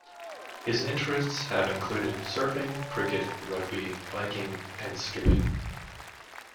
His interests have included surfing, cricket, rugby, biking, and skipping.